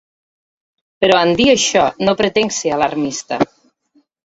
Però en dir això no pretenc ser alarmista.